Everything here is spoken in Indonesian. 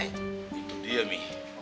itu dia mi